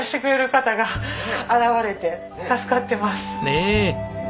ねえ。